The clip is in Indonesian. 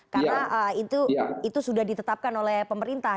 karena itu sudah ditetapkan oleh pemerintah